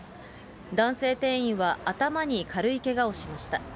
男性店員は頭に軽いけがをしました。